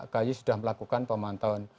ky sudah melakukan pemantauan